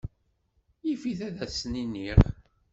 Yif-it ad asen-iniɣ.